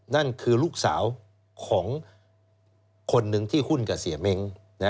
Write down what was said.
นั่นคือลูกสาวของคนหนึ่งที่หุ้นกับเสียเม้ง